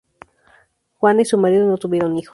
Juana y su marido no tuvieron hijos.